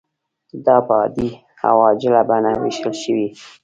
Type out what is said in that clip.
دا په عادي او عاجله بڼه ویشل شوې.